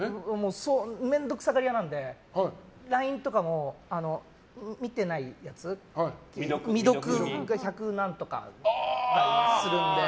面倒くさがり屋なのでＬＩＮＥとかも、見てないやつ未読が百何とかあったりするので。